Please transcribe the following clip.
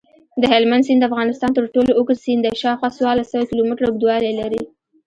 دهلمند سیند دافغانستان ترټولو اوږد سیند دی شاوخوا څوارلس سوه کیلومتره اوږدوالۍ لري.